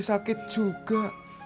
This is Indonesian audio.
sedih sakit juga